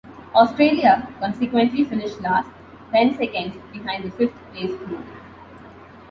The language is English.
Australia, consequently, finished last, ten seconds behind the fifth place crew.